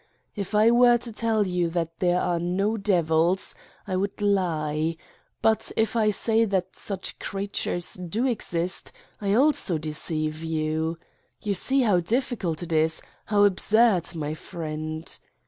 If I were to tell you that there are no devils I would lie. But if I say that such creatures do exist I also deceive you. You see how difficult it is, how absurd, my friend!